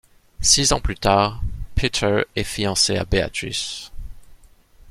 Six ans plus tard, Peter est fiancé à Beatrice.